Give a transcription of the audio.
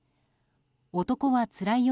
「男はつらいよ」